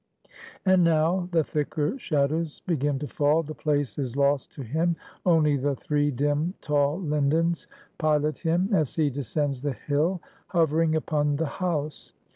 And now the thicker shadows begin to fall; the place is lost to him; only the three dim, tall lindens pilot him as he descends the hill, hovering upon the house.